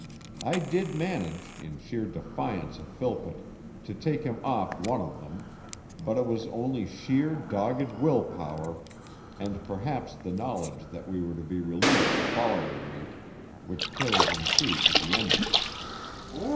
I did manage, in sheer defiance of Philpott, to take him off one of them; but it was only sheer dogged will power, and perhaps the knowledge that we were to be relieved the following week, which carried him through to the end of it....